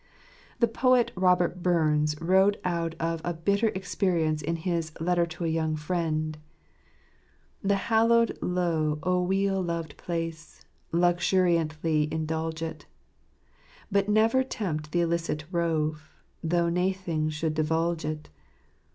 The poet Robert Bums wrote out of a bitter experience in his "Letter to a Young Friend " "The hallowed lowe o' weel placed love. Luxuriantly indulge it ; But never tempt the illicit rove, Though naething should divulge it.